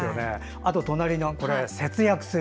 あと、隣の「節約する」。